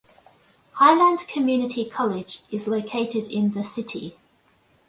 Highland Community College is located in the city.